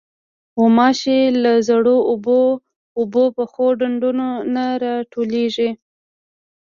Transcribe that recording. غوماشې له زړو اوبو، اوبو پخو ډنډو نه راټوکېږي.